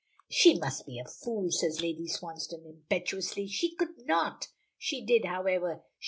"She must be a fool!" says Lady Swansdown impetuously, "she could not " "She did, however.